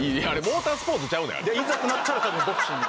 いざとなったら多分ボクシング。